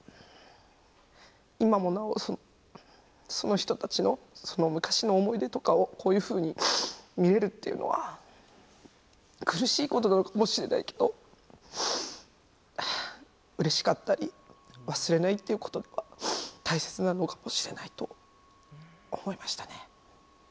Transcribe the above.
今もなおその人たちの昔の思い出とかをこういうふうに見れるっていうのは苦しいことなのかもしれないけどうれしかったり忘れないっていうことが大切なのかもしれないと思いましたね。